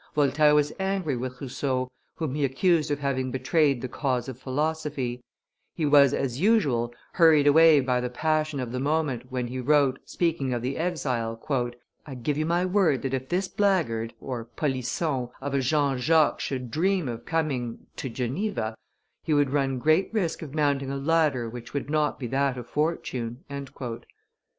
Voltaire was angry with Rousseau, whom he accused of having betrayed the cause of philosophy; he was, as usual, hurried away by the passion of the moment, when he wrote, speaking of the exile, "I give you my word that if this blackguard (polisson) of a Jean Jacques should dream of coming (to Geneva), he would run great risk of mounting a ladder which would not be that of Fortune."